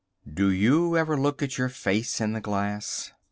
_ Do you ever look at your face in the glass?